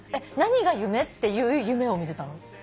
何が夢？っていう夢を見てたの。